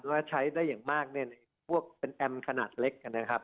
ว่าใช้ได้อย่างมากปวกเป็นแอมขนาดเล็ก